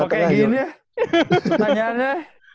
nah apa kayak gini ya pertanyaannya